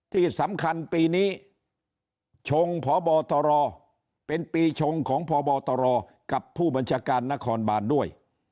ที่สำคัญปีนี้ชงพบตรเป็นปีชงของพบตรกับผู้บัญชาการนครบานด้วย